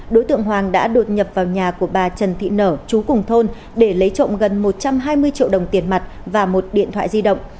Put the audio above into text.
đối tượng hoàng đã đột nhập vào nhà của bà trần thị nở chú cùng thôn để lấy trộm gần một trăm hai mươi triệu đồng tiền mặt và một điện thoại di động